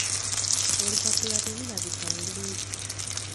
Olupapula terulabika bulungi.